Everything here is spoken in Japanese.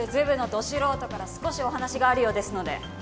素人から少しお話があるようですので。